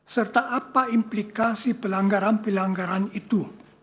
serta apa implikasi pelanggaran pelanggaran itu